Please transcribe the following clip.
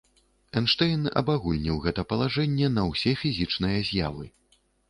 Эйнштэйн абагульніў гэта палажэнне на ўсе фізічныя з'явы.